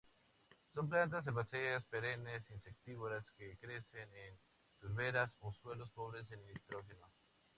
Son plantas herbáceas perennes, insectívoras, que crecen en turberas o suelos pobres en nitrógeno.